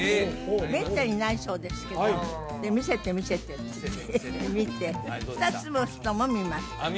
めったにいないそうですけど「見せて見せて」って言って見て２つの人も見ましたあっ